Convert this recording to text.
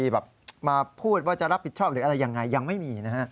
แบบมาพูดว่าจะรับผิดชอบหรืออะไรยังไงยังไม่มีนะฮะ